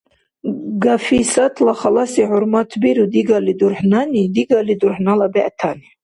Гафисатла халаси хӀурмат биру дигалли дурхӀнани, дигалли дурхӀнала бегӀтани.